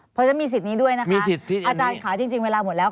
เพราะฉะนั้นมีสิทธิ์นี้ด้วยนะคะอาจารย์ค่ะจริงเวลาหมดแล้ว